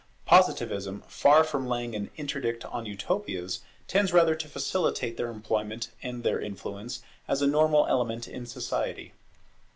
Positivism, far from laying an interdict on Utopias, tends rather to facilitate their employment and their influence, as a normal element in society.